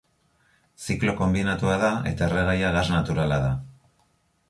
Ziklo konbinatua da eta erregaia gas naturala da.